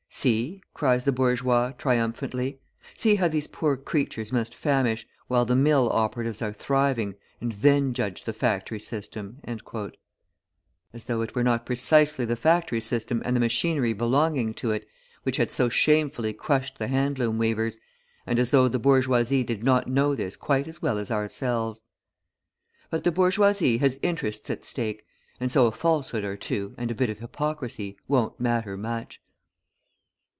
"See," cries the bourgeois, triumphantly, "see how these poor creatures must famish, while the mill operatives are thriving, and then judge the factory system!" As though it were not precisely the factory system and the machinery belonging to it which had so shamefully crushed the hand loom weavers, and as though the bourgeoisie did not know this quite as well as ourselves! But the bourgeoisie has interests at stake, and so a falsehood or two and a bit of hypocrisy won't matter much.